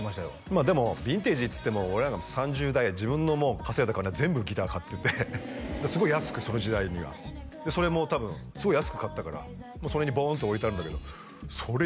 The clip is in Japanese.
まあでもヴィンテージっつっても俺なんか３０代自分の稼いだ金全部ギター買っててすごい安くその時代にはそれも多分すごい安く買ったからその辺にボーンと置いてあるんだけどそれ